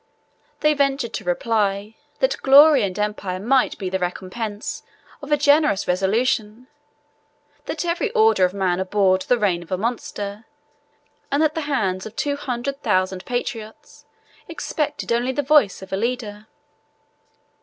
They ventured to reply, that glory and empire might be the recompense of a generous resolution; that every order of men abhorred the reign of a monster; and that the hands of two hundred thousand patriots expected only the voice of a leader.